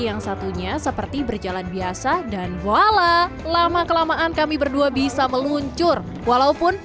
yang satunya seperti berjalan biasa dan wala lama kelamaan kami berdua bisa meluncur walaupun